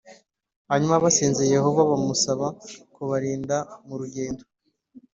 Hanyuma basenze Yehova bamusaba kubarinda mu rugendo